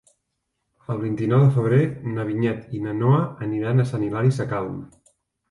El vint-i-nou de febrer na Vinyet i na Noa aniran a Sant Hilari Sacalm.